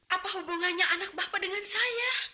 apa hubungannya anak bapak dengan saya